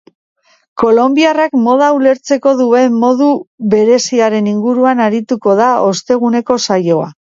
Kolonbiarrak moda ulertzeko duen modu bereziaren inguruan arituko da osteguneko saioa.